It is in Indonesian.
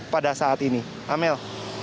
pada saat ini amel